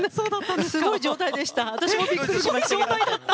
すごい状態でした。